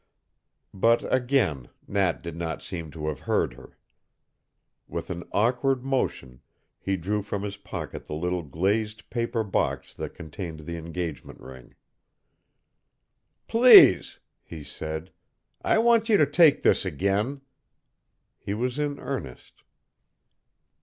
But again Nat did not seem to have heard her. With an awkward motion he drew from his pocket the little glazed paper box that contained the engagement ring. "Please," he said, "I want you to take this again." He was in earnest.